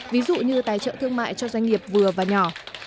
ví dụ như tài trợ thương mại cho doanh nghiệp vừa và nhỏ